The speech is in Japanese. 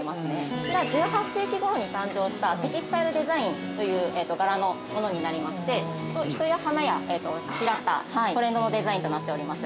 こちら、１８世紀ごろに誕生したテキスタイルデザインという柄のものになりまして、人や花をあしらったトレンドのデザインとなっております。